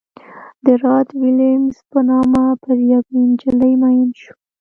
د رات ویلیمز په نامه پر یوې نجلۍ مین شو.